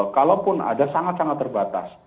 kalaupun ada sangat sangat terbatas